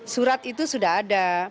surat itu sudah ada